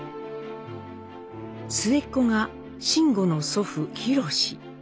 末っ子が辰吾の祖父・博。